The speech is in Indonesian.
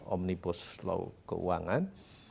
omnibus law keuangan